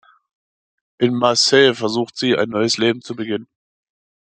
In Marseille versucht sie, ein neues Leben zu beginnen.